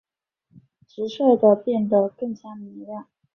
率直地变得更加明亮！